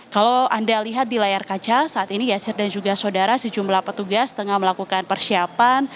kalau anda lihat di layar kaca saat ini yasir dan juga saudara sejumlah petugas tengah melakukan persiapan